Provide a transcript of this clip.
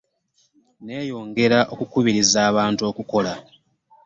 Nneeyongera okukubiriza abantu okukola.